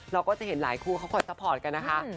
เราก็จะเห็นหลายคู่เขาคอยซัพพอร์ตกันนะคะ